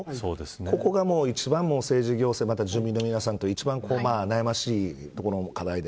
ここが一番、政治行政また住民の皆さんと一番、悩ましいところの課題で。